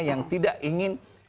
yang tidak ingin